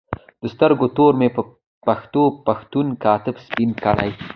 د سترګو تور مې په پښتو پښتون کاته سپین کړي